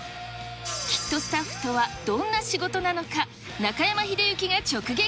キットスタッフとはどんな仕事なのか、中山秀征が直撃。